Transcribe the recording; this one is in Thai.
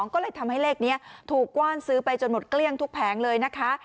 ก็เลยทำให้เลขนี้ถูกกว้านซื้อไปจนหมดเกลี้ยงทุกแผงเลยนะคะ